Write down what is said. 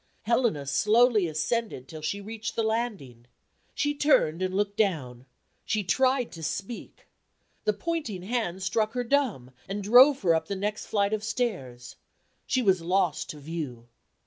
Helena slowly ascended till she reached the landing. She turned and looked down; she tried to speak. The pointing hand struck her dumb, and drove her up the next flight of stairs. She was lost to view.